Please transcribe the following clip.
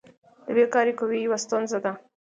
د بیکاري قوي یوه ستونزه ده.